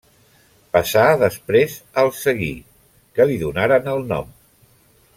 Passà després als Seguí, que li donaren el nom.